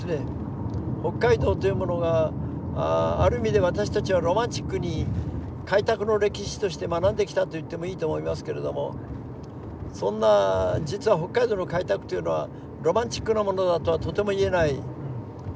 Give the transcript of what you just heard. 北海道というものがある意味で私たちはロマンチックに開拓の歴史として学んできたと言ってもいいと思いますけれどもそんな実は北海道の開拓というのはロマンチックなものだとはとても言えない。